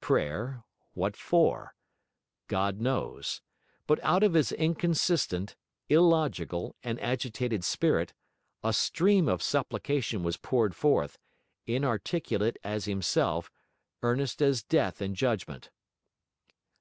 Prayer, what for? God knows. But out of his inconsistent, illogical, and agitated spirit, a stream of supplication was poured forth, inarticulate as himself, earnest as death and judgment.